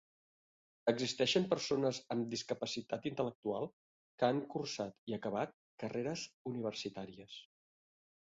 Existeixen persones amb discapacitat intel·lectual que han cursat i acabat carreres universitàries.